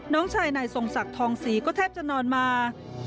น้องชายนายทรงศักดิ์ทองศรีก็แทบจะนอนมา